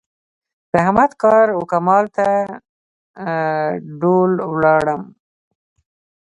د احمد کار و کمال ته ډول ولاړم.